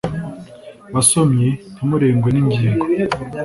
Basomyi ntimurengwe n’ingingo